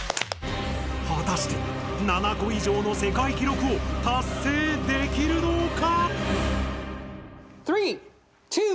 果たして７個以上の世界記録を達成できるのか？